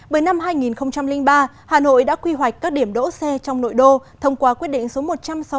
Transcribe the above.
bởi năm hai nghìn ba hà nội đã quy hoạch các điểm đỗ xe trong nội đô thông qua quyết định số một trăm sáu mươi